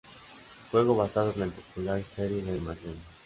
Juego basado en el popular serie de animación.